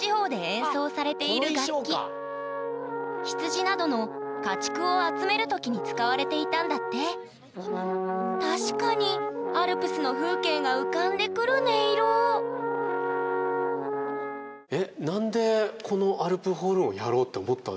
羊などの家畜を集める時に使われていたんだって確かにアルプスの風景が浮かんでくる音色最初。